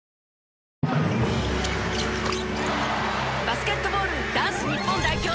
バスケットボール男子日本代表